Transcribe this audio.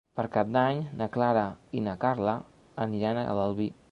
Per Cap d'Any na Clara i na Carla aniran a l'Albi.